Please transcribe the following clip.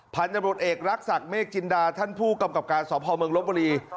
ผัญญบุรตเอกรักษักเมฆจินดาท่านผู้กำกับการสอบภาวเมืองโรปุรี